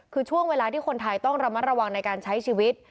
คือช่วงเวลาที่คนไทยต้องระมัดระวังในการใช้ชีวิต